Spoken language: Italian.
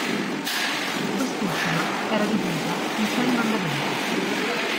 Quest’ ultima era divisa in sei mandamenti.